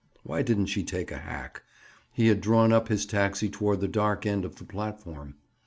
Why didn't she take a hack? He had drawn up his taxi toward the dark end of the platform.